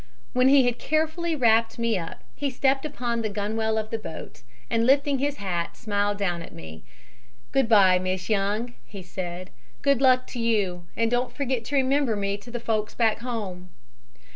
"When he had carefully wrapped me up he stepped upon the gunwale of the boat, and lifting his hat, smiled down at me. 'Good bye, Miss Young,' he said. 'Good luck to you, and don't forget to remember me to the folks back home.'